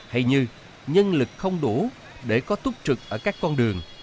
hay như nhân lực không đủ để có túc trực ở các con đường